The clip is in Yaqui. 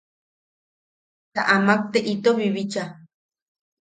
Ta amak te ito bibicha.